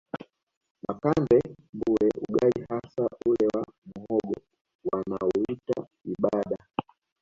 Makande Mbure ugali hasa ule wa muhogo wanauita ibadaa